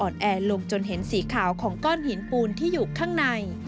แอลงจนเห็นสีขาวของก้อนหินปูนที่อยู่ข้างใน